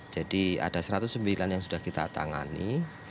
jadi ada satu ratus sembilan yang sudah kita tangani